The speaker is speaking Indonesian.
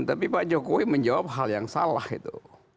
tapi pak jokowi menjawab hal yang salah itu